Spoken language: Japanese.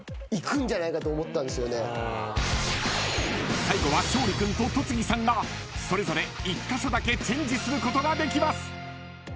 ［最後は勝利君と戸次さんがそれぞれ１カ所だけチェンジすることができます］